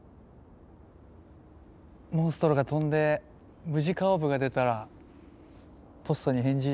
モンストロが飛んでムジカオーブが出たらポッソに返事